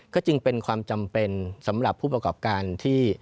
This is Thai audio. ก็จึงเป็นความจำเป็นสำหรับผู้ประกอบการที่